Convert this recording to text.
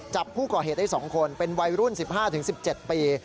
จับผู้ก่อเหตุได้๒คนเป็นวัยรุ่น๑๕๑๗ปี